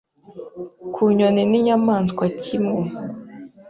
Ku nyoni n'inyamaswa kimwe